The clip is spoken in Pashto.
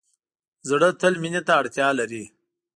زړه تل مینې ته اړتیا لري.